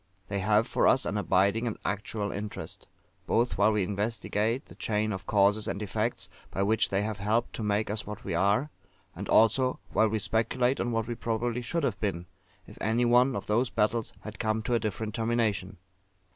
They have for us an abiding and actual interest, both while we investigate the chain of causes and effects, by which they have helped to make us what we are; and also while we speculate on what we probably should have been, if any one of those battles had come to a different termination.